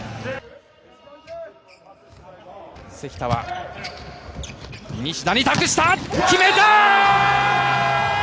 関田は西田に託した、決めた！